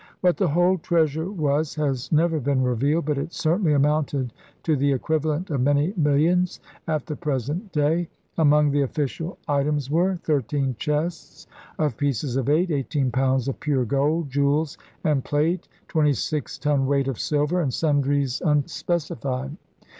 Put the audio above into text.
What the whole treasure was has never been revealed. But it certainly amounted to the equivalent of many millions at the present day. Among the official items were: 13 chests of pieces of eight, 80 lbs. of pure gold, jewels and plate, 26 ton weight of silver, and sundries unspecified.